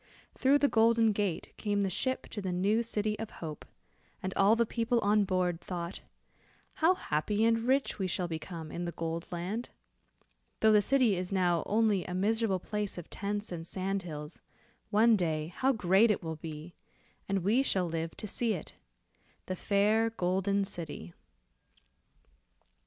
Through the Golden Gate, came the ship to the new city of hope, and all the people on board thought, "how happy and rich we shall become in the Gold Land. Though the city is now only a miserable place of tents and sand hills, one day how great it will be, and we shall live to see it. The fair Golden City."